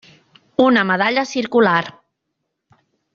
Una medalla circular.